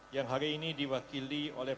yang hari ini diwakili oleh